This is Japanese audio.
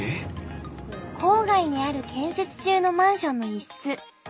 郊外にある建設中のマンションの一室。